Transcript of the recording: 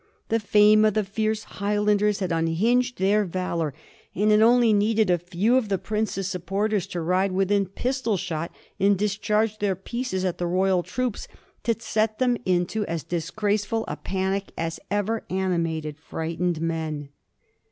The fame of the fierce Highlanders had unhinged their valor, and it only needed a few of the prince's supporters to ride within pistol shot and discharge their pieces at the Royal troops to set them into as dis graceful a panic as ever animated frightened men.